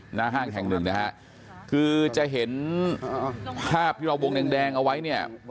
หน้าห้างแข่ง๑คือจะเห็นภาพที่เราวงแดงเอาไว้เนี่ย